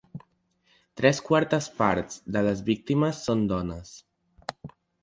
Tres quartes parts de les víctimes són dones.